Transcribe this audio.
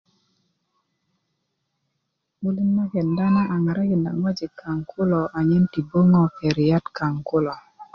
'bulit na kenda na a ŋarakinda ŋojik kayaŋ kulo anyen ti böŋö keriyat kayaŋ kulo